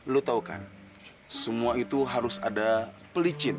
lo tau kan semua itu harus ada pelicin